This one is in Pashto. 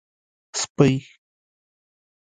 🐕 سپۍ